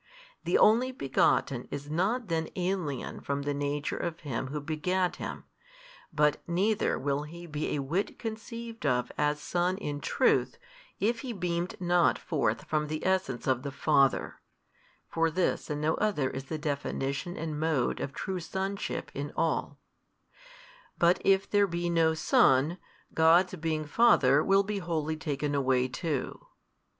The Only Begotten is not then alien from the Nature of Him who begat Him, but neither will He be a whit conceived of as Son in truth, if He beamed not forth from the Essence of the Father (for this and no other is the definition and mode of true son ship in all) but if there be no Son, God's being Father will be wholly taken away too.